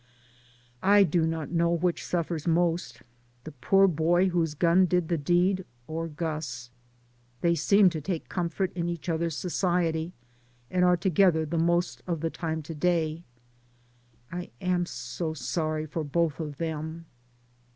I do not know which suffers most — the poor boy whose gun did the deed or Gus. They seem to take comfort in each other's society, and are to gether the most of the time to day. I am so sorry for both of them.